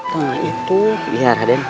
nah itu biar raden